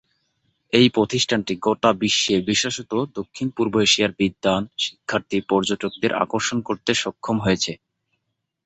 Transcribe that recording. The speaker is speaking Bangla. এই প্রতিষ্ঠানটি গোটা বিশ্বের বিশেষত দক্ষিণ-পূর্ব এশিয়ার বিদ্বান, শিক্ষার্থী, পর্যটকদের আকর্ষণ করতে সক্ষম হয়েছে।